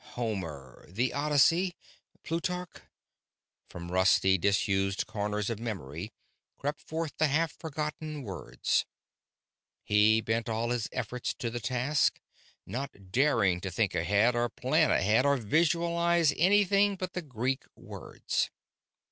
Homer "The Odyssey" Plutarch.... From rusty, disused corners of memory crept forth the half forgotten words. He bent all his efforts to the task, not daring to think ahead or plan ahead or visualize anything but the Greek words.